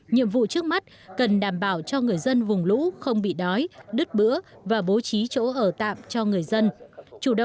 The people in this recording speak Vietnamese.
nhiệm vụ trước mắt cần đảm bảo cho người dân vùng lũ không bị đói đứt bữa và bố trí chỗ